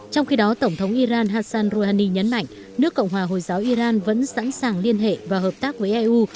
trong khi đó tổng thống iran hassan rouhani nhấn mạnh nước cộng hòa hồi giáo iran vẫn sẵn sàng liên hệ và hợp tác với eu